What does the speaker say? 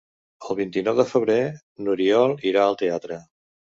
El vint-i-nou de febrer n'Oriol irà al teatre.